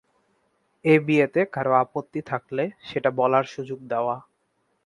এ বিয়েতে কারও আপত্তি থাকলে, সেটা বলার সুযোগ দেওয়া।